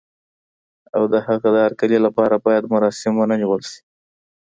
او د هغه د هرکلي لپاره باید مراسم ونه نیول شي.